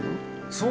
そう。